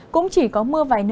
cũng chỉ có mưa và mưa rong